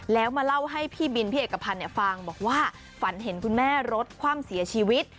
แล้วมาเล่าให้พี่บินพี่เอกพันธ์ฟังบอกว่าฝันเห็นคุณแม่รถคว่ำเสียชีวิต